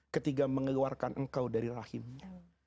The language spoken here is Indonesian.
ketika mengeluarkan engkau dari rahimnya